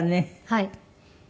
はい。